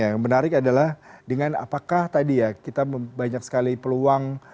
yang menarik adalah dengan apakah tadi ya kita banyak sekali peluang